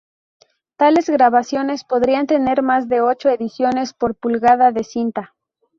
Tales grabaciones podrían tener más de ocho ediciones por pulgada de cinta.